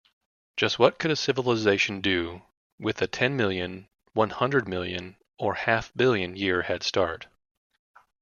Just what could a civilization do with a ten-million, one-hundred-million, or half-billion-year head start?